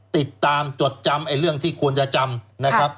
ติดตามจดจำไอ้เรื่องที่ควรจะจำ